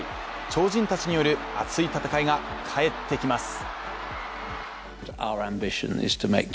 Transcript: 超人たちによる熱い戦いが帰ってきます。